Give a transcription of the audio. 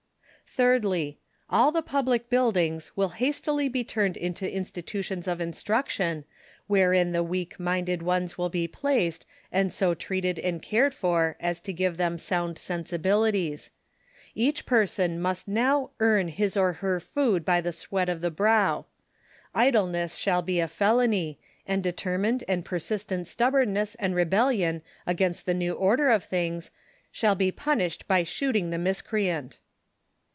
Thirdly — All the public buildings will hastily be turned into institutions of instruction, wherein the weak minded ones will be placed and so treated and cared for as to give tliem sound sensibilities. Each person must now " earn his and her food by the sweat of tlie brow." Idleness shall be a felony, and determined and persistent stubbornness and rebellion against the new order of things shall be pun ished by shooting the miscreant.